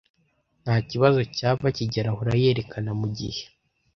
Ntakibazo cyaba, kigeli ahora yerekana mugihe.